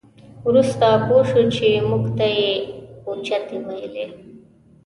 وروسته پوه شوو چې موږ ته یې اوچتې ویلې.